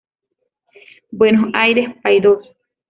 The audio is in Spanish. Buenos Aires: Paidós.